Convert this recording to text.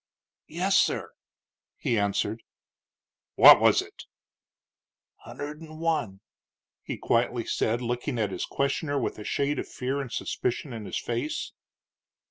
"Yes, sir," he answered. "What was it?" "Hunder'd'n One," he quietly said, looking at his questioner with a shade of fear and suspicion in his face.